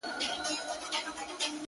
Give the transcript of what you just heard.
امیر ږغ کړه ویل ستا دي هم په یاد وي-